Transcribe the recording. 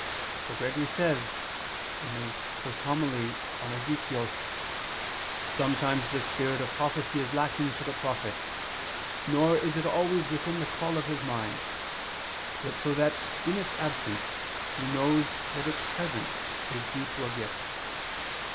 For Gregory says (Hom. i super Ezech.): "Sometimes the spirit of prophecy is lacking to the prophet, nor is it always within the call of his mind, yet so that in its absence he knows that its presence is due to a gift."